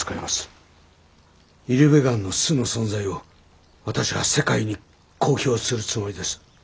イルベガンの巣の存在を私は世界に公表するつもりです。